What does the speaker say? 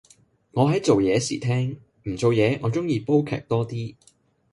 我係做嘢時聽，唔做嘢我鍾意煲劇多啲